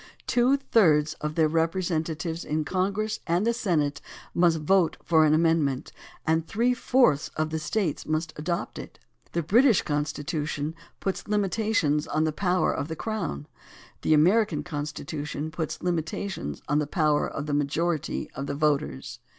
Two thirds of their representatives in Congress and the Senate must vote for an amendment, and three fourths of the States must adopt it. The British Con stitution puts limitations on the power of the crown; the American Constitution puts limitations on the power of the majority of the voters.